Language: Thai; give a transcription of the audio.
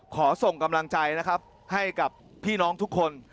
ขอส่งกำลังใจนะครับให้กับพี่น้องทุกคน